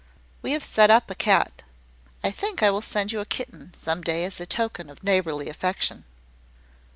We have set up a cat. I think I will send you a kitten, some day, as a token of neighbourly affection."